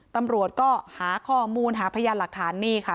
ตำรวจก็หาข้อมูลหาพยานหลักฐานนี่ค่ะ